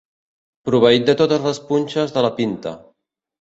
Proveït de totes les punxes de la pinta.